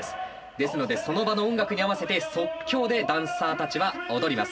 ですのでその場の音楽に合わせて即興でダンサーたちは踊ります。